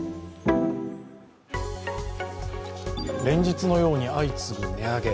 連日のように相次ぐ値上げ。